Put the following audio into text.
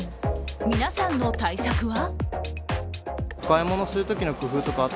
皆さんの対策は？